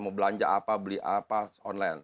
mau belanja apa beli apa online